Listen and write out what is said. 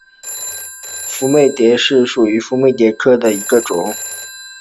媚蚬蝶属是蚬蝶亚科蛱蚬蝶族蛱蚬蝶亚族里的一个属。